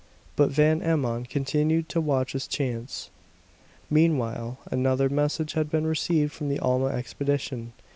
But Van Emmon continued to watch his chance. Meanwhile another message had been received from the Alma expedition.